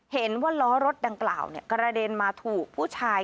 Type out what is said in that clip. เห็นว่าล้อรถดังกล่าวกระเด็นมาถูกผู้ชาย